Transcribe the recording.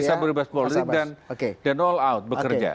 bisa bebas berpolitik dan all out bekerja